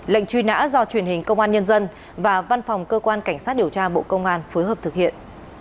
lệnh truy nã do truyền hình công an nhân dân và văn phòng cơ quan cảnh sát điều tra bộ công an phối hợp thực hiện